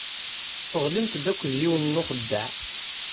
Teɣlimt-d akked yiwen n uxeddaɛ.